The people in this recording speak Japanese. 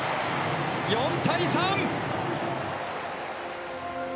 ４対３。